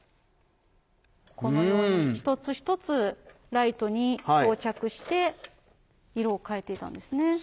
このように一つ一つライトに装着して色を変えていたんですね。